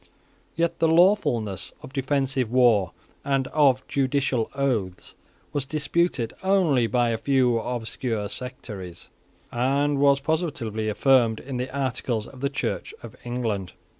Yet the lawfulness of defensive war, and of judicial oaths, was disputed only by a few obscure sectaries, and was positively affirmed in the articles of the Church of England.